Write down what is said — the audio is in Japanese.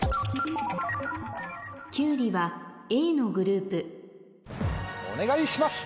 キュウリはＡのグループお願いします！